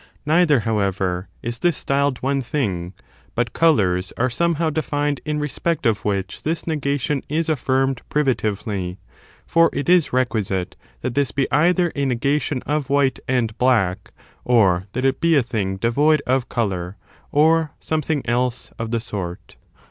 Neither, however, is this styled one thing; but colours are somehow defined in respect of which this negation is affirmed priva tively; for it is requisite that this be either a negation of white and black, or that it be a thing devoid of colour, or something else of the sort.